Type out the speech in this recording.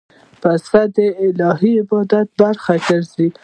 پسه د الهی عبادت برخه ګرځي.